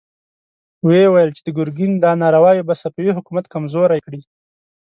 ويې ويل چې د ګرګين دا نارواوې به صفوي حکومت کمزوری کړي.